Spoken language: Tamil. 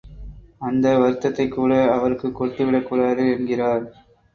அந்த வருத்தத்தைக் கூட அவருக்குக் கொடுக்கக்கூடாது என்கிறார்.